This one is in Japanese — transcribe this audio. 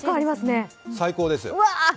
最高ですよ。